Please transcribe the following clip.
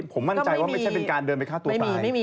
ผมมั่นใจว่าไม่ใช่เป็นการเดินไปฆ่าตัวตาย